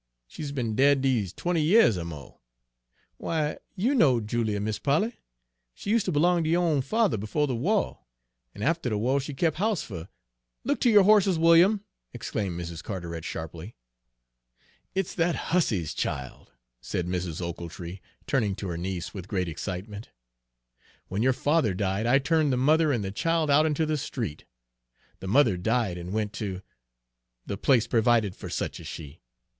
She's be'n dead dese twenty years er mo'. Why, you knowed Julia, Mis' Polly! she used ter b'long ter yo' own father befo' de wah; an' after de wah she kep' house fer" "Look to your horses, William!" exclaimed Mrs. Carteret sharply. "It's that hussy's child," said Mrs. Ochiltree, turning to her niece with great excitement. "When your father died, I turned the mother and the child out into the street. The mother died and went to the place provided for such as she.